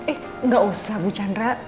eh gak usah bu chandra